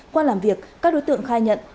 qua làm việc các đối tượng khai nhận